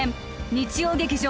日曜劇場